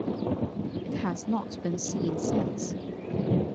It has not been seen since.